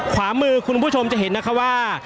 ขวามือคุณผู้ชมจะเห็นนะคะว่า